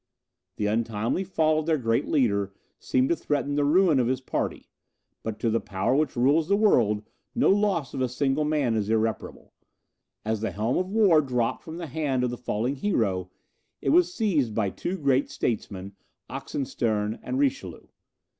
The untimely fall of their great leader seemed to threaten the ruin of his party; but to the Power which rules the world, no loss of a single man is irreparable. As the helm of war dropped from the hand of the falling hero, it was seized by two great statesmen, Oxenstiern and Richelieu.